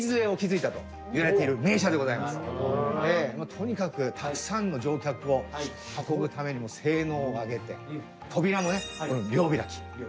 とにかくたくさんの乗客を運ぶためにも性能を上げて扉もね両開き。